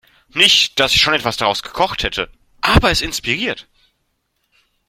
Nicht, dass ich schon etwas daraus gekocht hätte, aber es inspiriert.